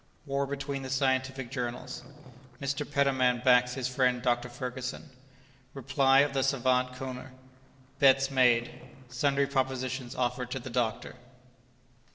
—War between the Scientific Journals.—Mr. Petermann backs his Friend Dr. Ferguson.—Reply of the Savant Koner.—Bets made.—Sundry Propositions offered to the Doctor.